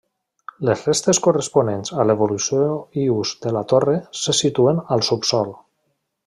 Les restes corresponents a l'evolució i ús de la torre se situen al subsòl.